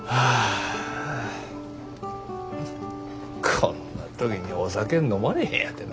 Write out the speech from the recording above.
こんな時にお酒飲まれへんやてな。